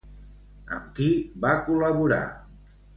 Amb qui va col·laborar?